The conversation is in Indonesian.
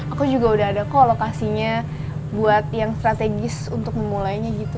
aku juga udah ada kok lokasinya buat yang strategis untuk memulainya gitu